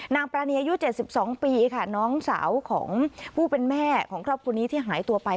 ปรานีอายุ๗๒ปีค่ะน้องสาวของผู้เป็นแม่ของครอบครัวนี้ที่หายตัวไป